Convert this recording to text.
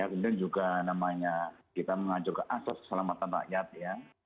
ya kemudian juga namanya kita mengajur ke asas keselamatan rakyat ya